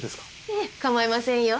ええかまいませんよ。